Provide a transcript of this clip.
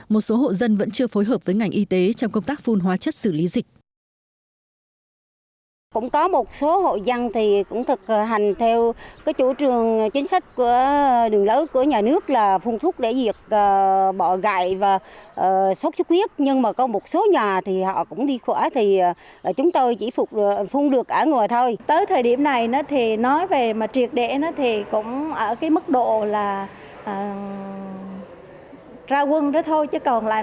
một số hộ dân vẫn chưa phối hợp với ngành y tế trong công tác phun hóa chất xử lý dịch